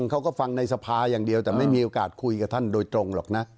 เขาก็ฟังในสภาอย่างเดียวแต่ไม่มีโอกาสคุยกับท่านโดยตรงหรอกนะ